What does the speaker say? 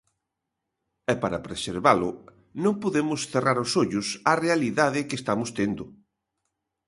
E para preservalo, non podemos cerrar os ollos á realidade que estamos tendo.